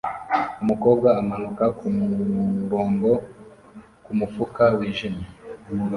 Umukobwa amanuka kumurongo ku mufuka wijimye